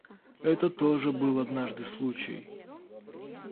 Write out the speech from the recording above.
Это тоже был однажды случай.